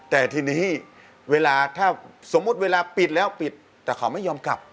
แต่ทีนี้เวลาถ้าสมมุติเวลาปิดแล้วปิดแต่เขาไม่ยอมกลับ